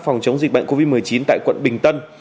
phòng chống dịch bệnh covid một mươi chín tại quận bình tân